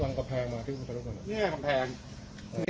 เขาก็พลิกเขามาพลิกข้างหลังนี่